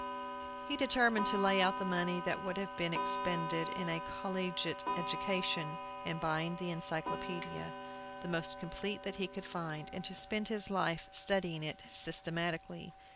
He determined to lay out the money that would have been expended in a collegiate education in buying an Encyclopædia, the most complete that he could find, and to spend his life studying it systematically.